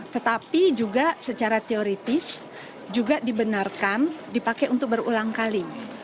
tetapi juga secara teoritis juga dibenarkan dipakai untuk berulang kali